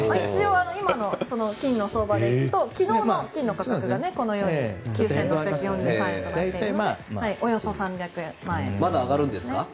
今の金の相場で行くと昨日の金の価格がこのように９６４３円となっているのでまだ上がるんですか？